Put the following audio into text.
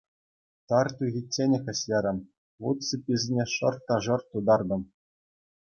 Тар тухичченех ӗҫлерӗм, вут сыпписене шарт та шарт тутартӑм.